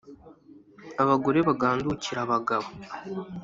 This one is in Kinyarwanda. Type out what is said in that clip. abagore bagandukire abagabo.